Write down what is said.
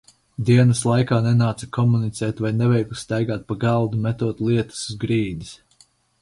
Dienas laikā nenāca komunicēt vai neveikli staigāt pa galdu, metot lietas uz grīdas.